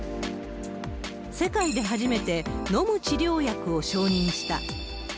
世界で初めて、飲む治療薬を承認した。